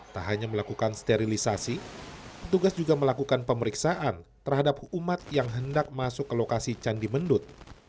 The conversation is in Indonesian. tak hanya melakukan sterilisasi tugas juga melakukan pemeriksaan terhadap umat yang hendak masuk ke lokasi candi mendut